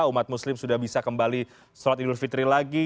umat muslim sudah bisa kembali sholat idul fitri lagi